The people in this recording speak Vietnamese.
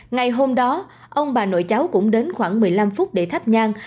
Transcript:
ngày hôm đó ông bà nội cháu cũng đến khoảng một mươi năm phút để thắp nhan